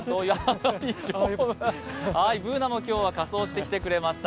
Ｂｏｏｎａも今日は仮装してきてくれました。